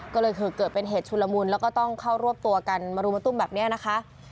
ก็เลยเกิดเป็นเหตุชุลมุนแล้วก็ต้องเข้ารวบตัวกันมารุมมาตุ้มแบบนี้นะคะ